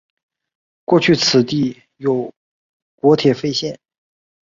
过去此地有国铁废线。